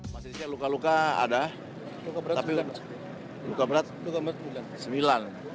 masih luka luka ada tapi luka berat sembilan